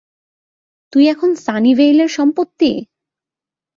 তুই এখন সানিভেইলের সম্পত্তি!